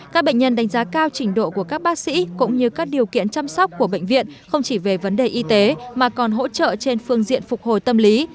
các bệnh nhân đánh giá cao trình độ của các bác sĩ cũng như các điều kiện chăm sóc của bệnh viện không chỉ về vấn đề y tế mà còn hỗ trợ trên phương diện phục hồi tâm lý